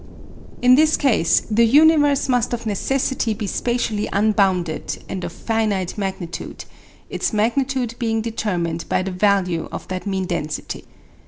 In this case the universe must of necessity be spatially unbounded and of finite magnitude, its magnitude being determined by the value of that mean density.